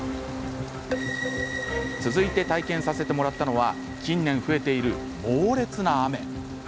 続いて体験させてもらったのは近年、増えている猛烈な雨。